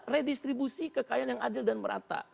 redistribusi kekayaan yang adil dan merata